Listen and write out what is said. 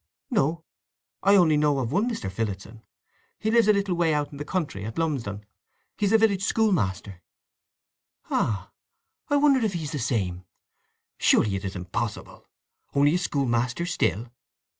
"No—I only know of one Mr. Phillotson. He lives a little way out in the country, at Lumsdon. He's a village schoolmaster." "Ah! I wonder if he's the same. Surely it is impossible! Only a schoolmaster still!